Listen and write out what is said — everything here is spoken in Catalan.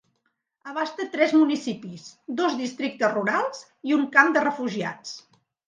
Abasta tres municipis, dos districtes rurals i un camp de refugiats.